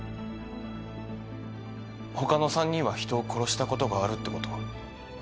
他の３人は人を殺したことがあるってこと？